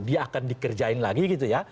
dia akan dikerjain lagi gitu ya